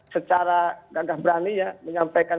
secara gagah berani ya menyampaikan